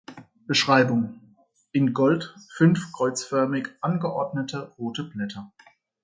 Beschreibung: In Gold fünf kreuzförmig angeordnete rote Blätter.